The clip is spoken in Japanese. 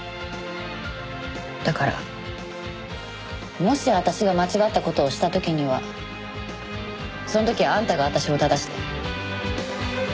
だからもし私が間違った事をした時にはその時はあんたが私を正して。